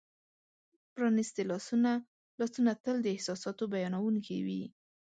پرانیستي لاسونه : لاسونه تل د احساساتو بیانونکي وي.